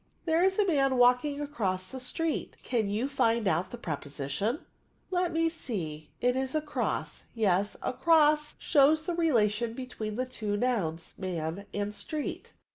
" There is a man walking across the street ; can you find out the preposition?" Let me see ; it is across — yes, across shows the relation between the two nouns, man and street.